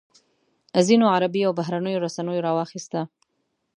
ځینو عربي او بهرنیو رسنیو راواخیسته.